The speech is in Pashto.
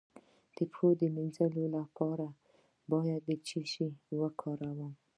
د پښو د مینځلو لپاره باید څه شی وکاروم؟